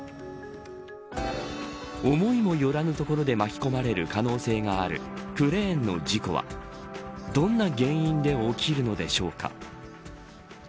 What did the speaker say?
思いもよらぬところで巻き込まれる可能性があるクレーンの事故はどんな原因で起きるのでしょうか。